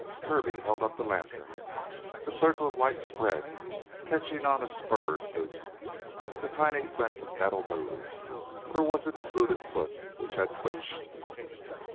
Kirby held up the lantern. The circle of light spread, catching on a spurred boot. That tiny glint of metal moved, or was it the booted foot which had twitched?